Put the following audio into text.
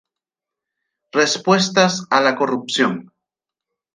Respuestas a la corrupción".